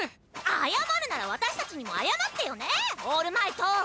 謝るなら私達にも謝ってヨネオールマイト！